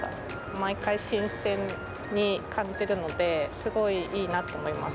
毎回新鮮に感じるので、すごいいいなと思います。